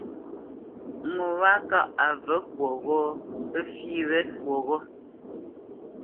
Ŋo wâ kâʼ a və̌ fwoghó pə fî wé fwoghó.